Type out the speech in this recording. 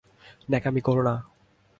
ন্যাকামি কোরো না।